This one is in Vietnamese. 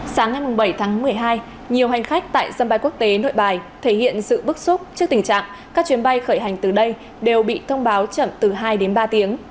sáng ngày bảy tháng một mươi hai nhiều hành khách tại sân bay quốc tế nội bài thể hiện sự bức xúc trước tình trạng các chuyến bay khởi hành từ đây đều bị thông báo chậm từ hai đến ba tiếng